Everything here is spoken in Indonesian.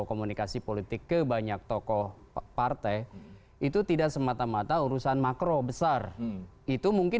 komunikasi politik ke banyak tokoh partai itu tidak semata mata urusan makro besar itu mungkin